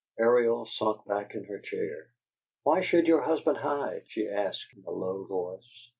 Ariel had sunk back in her chair. "Why should your husband hide?" she asked, in a low voice.